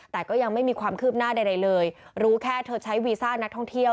แต่ก็ยังไม่มีความคืบหน้าใดเลยรู้แค่เธอใช้วีซ่านักท่องเที่ยว